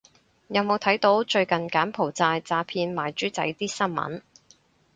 有冇睇到最近柬埔寨詐騙賣豬仔啲新聞